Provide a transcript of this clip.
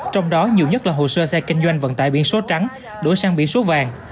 trong đó nhiều nhất là hồ sơ xe kinh doanh vận tải biển số trắng đổi sang biển số vàng